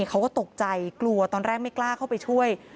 เขาก็ตกใจกลัวตอนแรกไม่กล้าเข้าไปช่วย